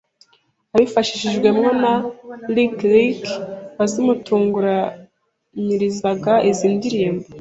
abifashijwemo na Lick Lick wazimutunganirizaga, izi ndirimbo